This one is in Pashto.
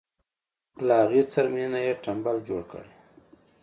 له هغې څرمنې نه یې تمبل جوړ کړی.